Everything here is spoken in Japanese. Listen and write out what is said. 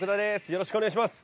よろしくお願いします。